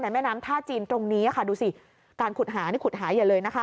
แม่น้ำท่าจีนตรงนี้ค่ะดูสิการขุดหานี่ขุดหาใหญ่เลยนะคะ